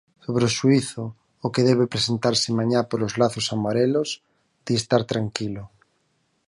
Sobre o xuízo ao que debe presentarse mañá polos lazos amarelos, di estar tranquilo.